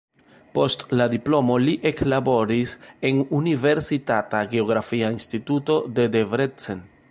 Post la diplomo li eklaboris en universitata geografia instituto de Debrecen.